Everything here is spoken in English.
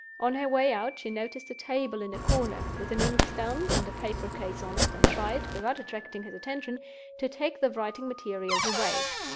On her way out, she noticed a table in a corner, with an inkstand and a paper case on it, and tried, without attracting his attention, to take the writing materials away.